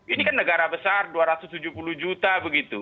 ini kan negara besar dua ratus tujuh puluh juta begitu